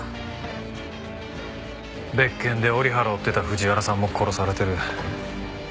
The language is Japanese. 別件で折原を追ってた藤原さんも殺されてる。